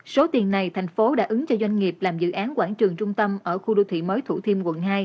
số tiền này thành phố đã ứng cho doanh nghiệp làm dự án quảng trường trung tâm ở khu đô thị mới thủ thiêm quận hai